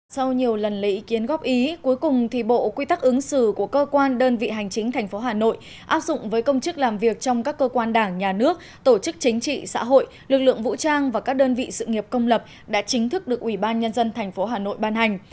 sau nhiều lần lấy ý kiến góp ý cuối cùng thì bộ quy tắc ứng xử của cơ quan đơn vị hành chính thành phố hà nội áp dụng với công chức làm việc trong các cơ quan đảng nhà nước tổ chức chính trị xã hội lực lượng vũ trang và các đơn vị sự nghiệp công lập đã chính thức được ủy ban nhân dân tp hà nội ban hành